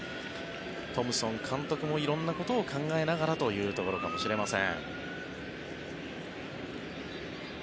トムソン監督も色んなことを考えながらというところかもしれません。